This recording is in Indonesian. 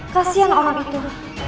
kasian orang itu